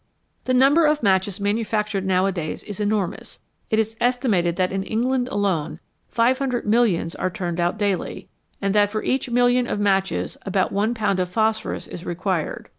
The number of matches manufactured nowadays is enormous. It is estimated that in England alone, 300 HOW FIRE IS MADE millions are turned out daily, and that for each million of matches about one pound of phosphorus is required.